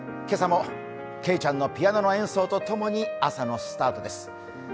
今朝もけいちゃんのピアノの演奏とともに朝のスタートです。